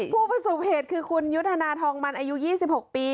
ผู้ประสบเหตุคือคุณยุทธนาทองมันอายุ๒๖ปี